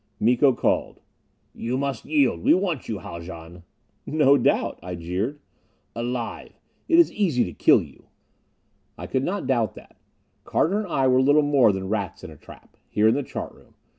Miko called, "You must yield. We want you, Haljan." "No doubt," I jeered. "Alive. It is easy to kill you." I could not doubt that. Carter and I were little more than rats in a trap, here in the chart room.